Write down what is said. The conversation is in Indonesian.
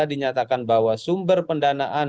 dinyatakan bahwa sumber pendanaan